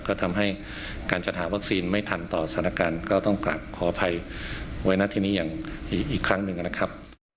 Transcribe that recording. ก็ทำให้การจัดหาวัคซีนไม่ทันต่อสถานการณ์ก็ต้องกลับขออภัยไว้หน้าที่นี้อย่างอีกครั้งหนึ่งนะครับ